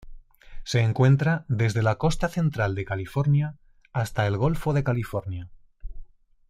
Se encuentra desde la costa central de California hasta el Golfo de California.